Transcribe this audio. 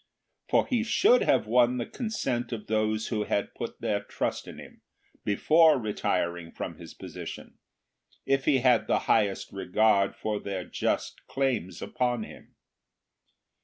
For he should have won the consent of those who had put their trust in him, before retiring from his position, if he had the highest regard for their just claims upon him.